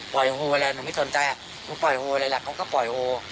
โฮอะไรหนูไม่สนใจหนูปล่อยโออะไรล่ะเขาก็ปล่อยโอ